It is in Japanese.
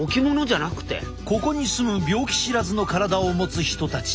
ここに住む病気知らずの体を持つ人たち。